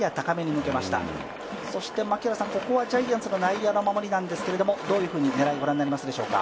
ここは、ジャイアンツの内野、守りなんですけどどういうふうに狙い、御覧になりますでしょうか？